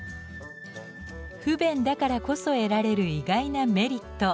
不便だからこそ得られる意外なメリット。